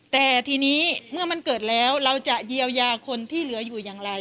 แต่ทีนี้เมื่อมันเกิดแล้วเราจะเยียวยาคนที่เหลืออยู่อย่างไร